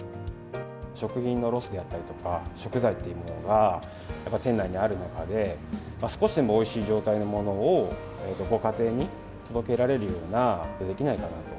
食品のロスだったりとか、食材っていうものがやっぱ店内にある中で、少しでもおいしい状態のものをご家庭に届けられることができないかなと、